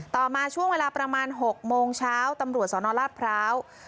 ต่อมาช่วงเวลาประมาณ๖โมงเช้าตำรวจสนราชพร้าว